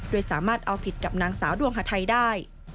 โดยสามารถเอาผิดกับนางสาวดวงฮาไทยได้